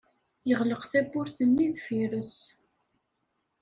Yeɣleq tawwurt-nni deffir-s.